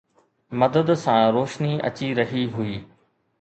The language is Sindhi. مدد سان، روشني اچي رهي هئي